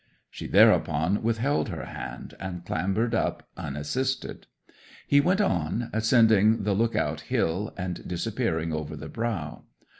'She thereupon withheld her hand, and clambered up unassisted. He went on, ascending the Look out Hill, and disappearing over the brow.